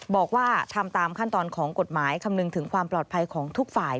บอกว่าทำตามขั้นตอนของกฎหมายคำนึงถึงความปลอดภัยของทุกฝ่าย